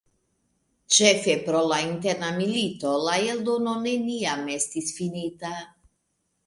Ĉefe pro la Interna milito, la eldono neniam estis finita.